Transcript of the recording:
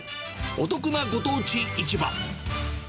お得なご当地市場。